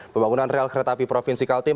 pembangunan rel kereta api provinsi kaltim